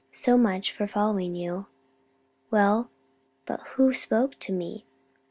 So much for following you!" "Well, but who spoke to me?